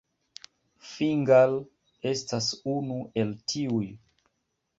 Fingal estas unu el tiuj.